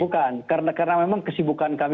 bukan karena memang kesibukan kami